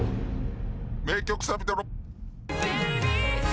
名曲サビトロ。